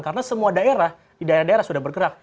karena semua daerah di daerah daerah sudah bergerak